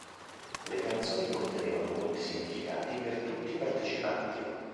Le canzoni contenevano molti significati per tutti i partecipanti.